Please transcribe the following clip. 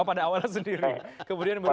oh pada awalnya sendiri kemudian berubah